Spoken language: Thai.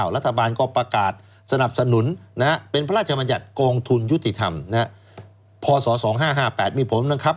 รัฐบาลก็ประกาศสนับสนุนเป็นพระราชบัญญัติกองทุนยุติธรรมพศ๒๕๕๘มีผมนะครับ